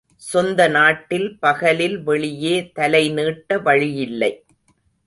சொந்த நாட்டில் பகலில் வெளியே தலைநீட்ட வழியில்லை.